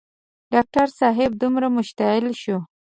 ډاکټر صاحب دومره مشتعل شو.